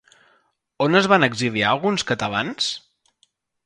On es van exiliar alguns catalans?